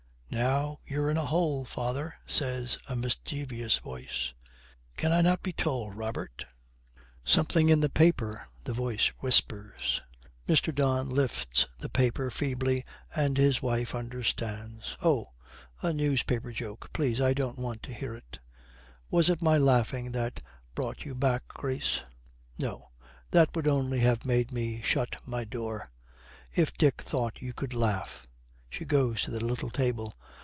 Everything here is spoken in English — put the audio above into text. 'Now you're in a hole, father!' says a mischievous, voice. 'Can I not be told, Robert?' 'Something in the paper,' the voice whispers. Mr. Don lifts the paper feebly, and his wife understands. 'Oh, a newspaper joke! Please, I don't want to hear it.' 'Was it my laughing that brought you back, Grace?' 'No, that would only have made me shut my door. If Dick thought you could laugh!' She goes to the little table.